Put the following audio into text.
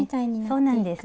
そうなんです。